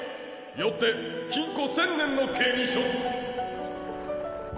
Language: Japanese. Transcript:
よって禁固１０００年の刑に処す。